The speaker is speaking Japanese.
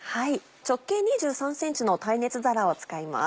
直径２３ｃｍの耐熱皿を使います。